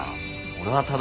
俺はただ。